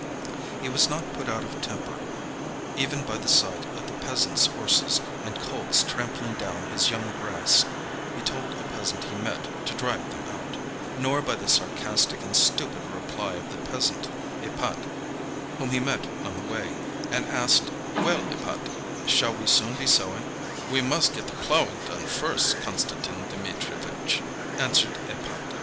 He was not put out of temper even by the sight of the peasants' horses and colts trampling down his young grass (he told a peasant he met to drive them out), nor by the sarcastic and stupid reply of the peasant Ipat, whom he met on the way, and asked, "Well, Ipat, shall we soon be sowing?" "We must get the ploughing done first, Konstantin Dmitrievitch," answered Ipat.